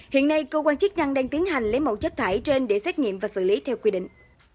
hiện nay cơ quan chức năng đang tiến hành lấy mẫu chất thải trên để xét nghiệm và xử lý theo quy định